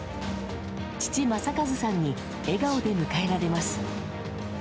父、正和さんに笑顔で迎えられます。